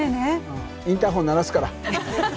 うんインターホン鳴らすから。